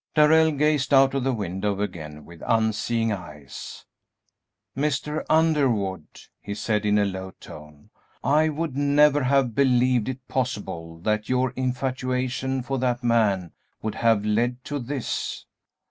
Darrell gazed out of the window again with unseeing eyes. "Mr. Underwood," he said, in a low tone, "I would never have believed it possible that your infatuation for that man would have led to this."